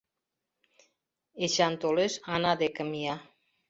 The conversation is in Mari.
Эчан толеш, Ана деке мия.